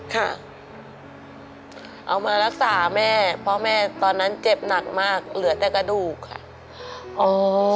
ค่ะเอามารักษาแม่เพราะแม่ตอนนั้นเจ็บหนักมากเหลือแต่กระดูกค่ะ